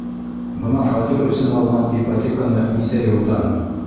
Бына фатир өсөн алған ипотеканы нисә йылдан...